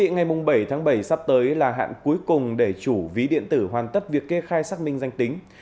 ngày bảy tháng bảy sắp tới là hạn cuối cùng để chủ ví điện tử hoàn tất việc kê khai xác minh danh tính